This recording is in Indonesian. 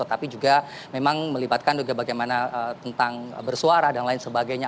tetapi juga memang melibatkan juga bagaimana tentang bersuara dan lain sebagainya